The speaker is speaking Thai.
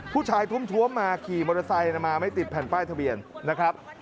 ทุ่มท้วมมาขี่มอเตอร์ไซค์มาไม่ติดแผ่นป้ายทะเบียนนะครับ